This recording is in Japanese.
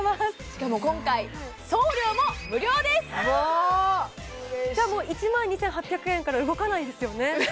しかも今回うわ嬉しいじゃあもう１万２８００円から動かないですよね？